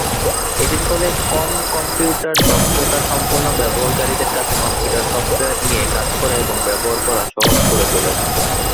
এটির ফলে কম কম্পিউটার দক্ষতা সম্পন্ন ব্যবহারকারীদের কাছে কম্পিউটার সফ্টওয়্যার নিয়ে কাজ করা এবং ব্যবহার করা সহজ করে তোলে।